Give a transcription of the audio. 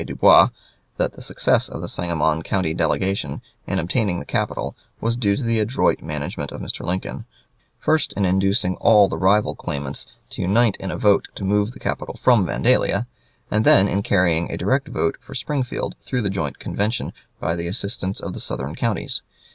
Dubois, that the success of the Sangamon County delegation in obtaining the capital was due to the adroit management of Mr. Lincoln first in inducing all the rival claimants to unite in a vote to move the capital from Vandalia, and then in carrying a direct vote for Springfield through the joint convention by the assistance of the southern counties.